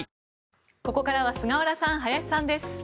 ここからは菅原さん、林さんです。